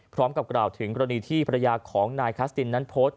พร้อมกับกล่าวถึงกรณีที่ภรรยาของนายคัสตินนั้นโพสต์